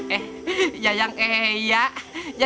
eh ya yang ee ya